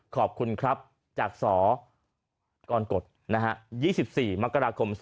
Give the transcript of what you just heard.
ขอบคุณครับจากสกรกฎ๒๔มกราคม๒๕๖